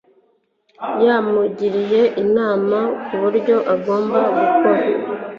yamugiriye inama kubyo agomba gukora